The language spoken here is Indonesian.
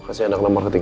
kasih anaknya marketing